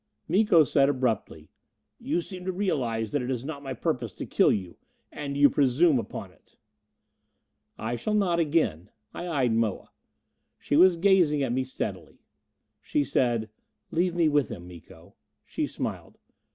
Miko said abruptly, "You seem to realize that it is not my purpose to kill you. And you presume upon it." "I shall not again." I eyed Moa. She was gazing at me steadily. She said, "Leave me with him, Miko...." She smiled.